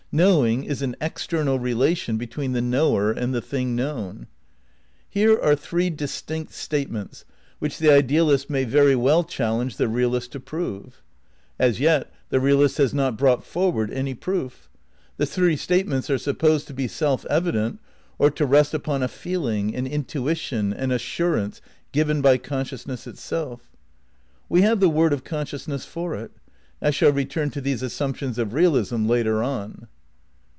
Knowing is an external relation between the knower and the thing known. Here are three distinct statements which the idealist may very well challenge the realist to prove. As yet the reahst has not brought forward any proof. The three state ments are supposed to be self evident, or to rest upon a "feeling," an "intuition," an "assurance" given by consciousness itself. We have the word of conscious ness for it. I shall return to these assimaptions of re alism later on.